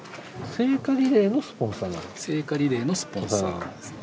聖火リレーのスポンサーですね。